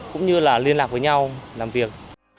cũng như là liên lạc với nhau làm việc